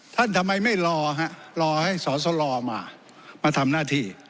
ทำไมไม่รอฮะรอให้สอสลมามาทำหน้าที่